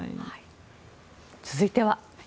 続いては。